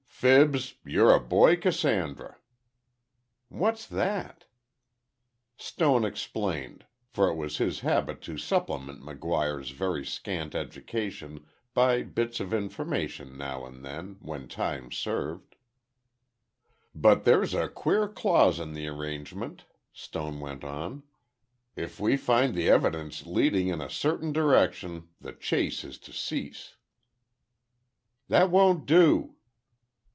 "Fibs, you're a Boy Cassandra." "What's that?" Stone explained, for it was his habit to supplement McGuire's very scant education by bits of information now and then, when time served. "But, there's a queer clause in the arrangement," Stone went on, "if we find the evidence leading in a certain direction, the chase is to cease." "That won't do."